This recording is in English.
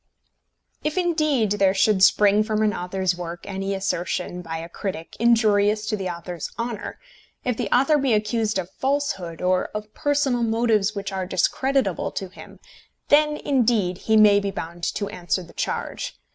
If, indeed, there should spring from an author's work any assertion by a critic injurious to the author's honour, if the author be accused of falsehood or of personal motives which are discreditable to him, then, indeed, he may be bound to answer the charge.